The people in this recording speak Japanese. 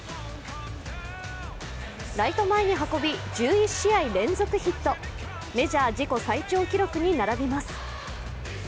ライト前に運び、１１試合連続ヒットメジャー自己最長記録に並びます。